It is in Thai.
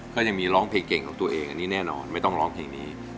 ก็ยังมีร้องเพลงเก่งของตัวเองอันนี้แน่นอนไม่ต้องร้องเพลงนี้